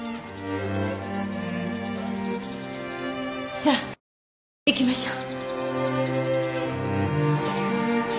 さあ行きましょう。